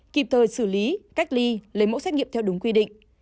kịp thời xử lý cách ly lấy mẫu xét nghiệm theo đúng quy định